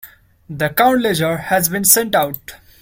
The account ledger has been sent out.